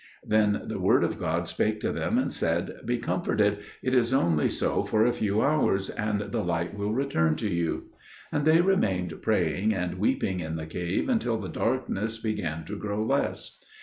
Then the Word of God spake to them and said, "Be comforted; it is only so for a few hours, and the light will return to you." And they remained praying and weeping in the cave until the darkness began to grow less.